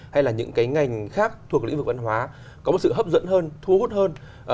hay là những cái ngành khác thuộc lĩnh vực văn hóa có một sự hấp dẫn hơn thu hút hơn